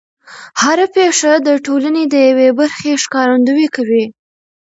هر پېښه د ټولنې د یوې برخې ښکارندويي کوي.